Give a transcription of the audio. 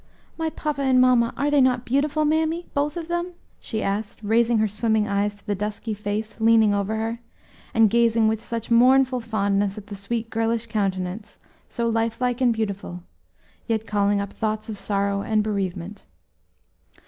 "My papa and mamma; are they not beautiful, mammy? both of them?" she asked, raising her swimming eyes to the dusky face leaning over her, and gazing with such mournful fondness at the sweet girlish countenance, so life like and beautiful, yet calling up thoughts of sorrow and bereavement.